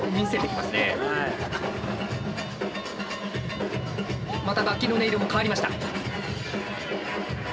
また楽器の音色も変わりました。